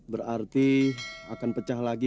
berarti akan pecah lagi